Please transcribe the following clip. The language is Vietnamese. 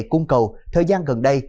cung cầu thời gian gần đây